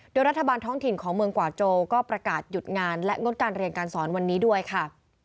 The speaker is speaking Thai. โดยรัฐบาลท้องถิ่นของเมืองกวาโจก็ประกาศหยุดงานและงดการเรียนการสอนวันนี้ด้วยค่ะ